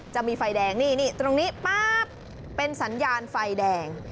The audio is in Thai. จะมีไฟแดงนี่ตรงนี้ป๊าบเป็นสัญญาณไฟแดง